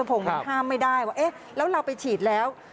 คุณรัฐพงธ์มันห้ามไม่ได้ว่าแล้วเราไปฉีดแล้ว